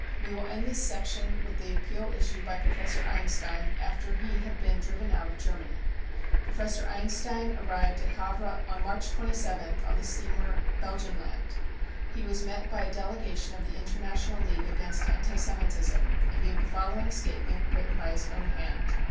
We will end this section with the appeal issued by Professor Einstein after he had been driven out of Germany. Professor Einstein arrived at Havre on March 27th on the steamer Belgenland. He was met by a delegation of the International League against anti Semitism and gave it the following statement written by his own hand.